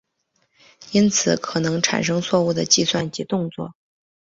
因此可能产生错误的计算及动作。